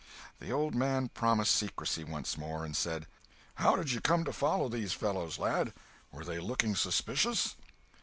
The old man promised secrecy once more, and said: "How did you come to follow these fellows, lad? Were they looking suspicious?"